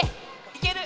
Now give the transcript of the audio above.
いける。